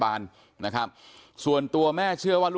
แม่โชคดีนะไม่ถึงตายนะ